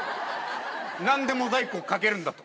何でモザイクをかけるんだと。